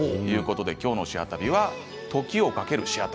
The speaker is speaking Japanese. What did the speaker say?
きょうの「シェア旅」は時をかける「シェア旅」